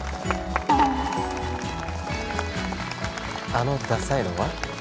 あのダサいのは？